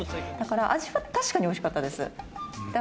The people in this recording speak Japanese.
味は確かにおいしかったです。